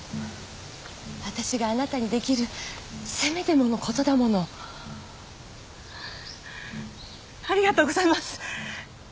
私があなたにできるせめてものことだありがとうございます！